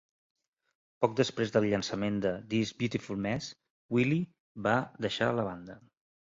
Poc després del llançament de "This Beautiful Mess", Wiley va deixar la banda.